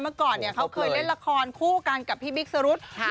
เมื่อก่อนเขาเคยเล่นละครคู่กันกับพี่บิ๊กสรุธ